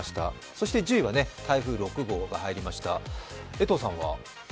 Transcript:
そして１０位は台風６号が入りました江藤さんは？